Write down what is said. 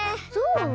そう？